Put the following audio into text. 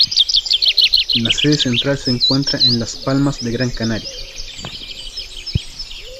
La sede central se encuentra en Las Palmas de Gran Canaria.